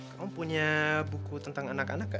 eh kamu punya buku tentang anak anak kak